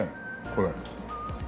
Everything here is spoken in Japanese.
これ。